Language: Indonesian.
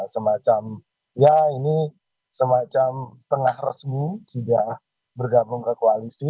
semacam ya ini semacam setengah resmi sudah bergabung ke koalisi